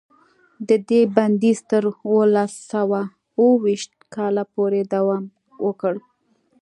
د دې بندیز تر اوولس سوه اوه ویشت کاله پورې دوام وکړ.